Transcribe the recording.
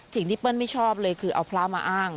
เปิ้ลไม่ชอบเลยคือเอาพระมาอ้าง